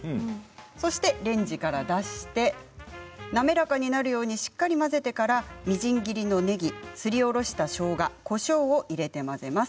そしてレンジから出して滑らかになるようにしっかり混ぜてからみじん切りのねぎすりおろしたしょうがこしょうを入れて混ぜます。